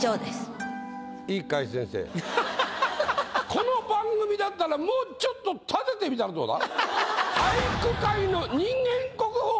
この番組だったらもうちょっと立ててみたらどうだ？